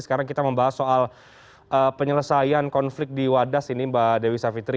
sekarang kita membahas soal penyelesaian konflik di wadas ini mbak dewi savitri